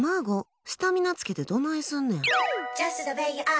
スタミナつけてどないすんねん！